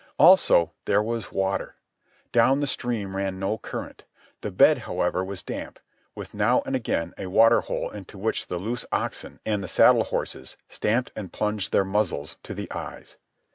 Also there was water. Down the stream ran no current. The bed, however, was damp, with now and again a water hole into which the loose oxen and the saddle horses stamped and plunged their muzzles to the eyes.